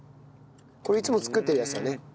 これいつも作ってるやつだね。